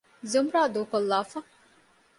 ޒުމްރާ ދޫކޮއްލާފަ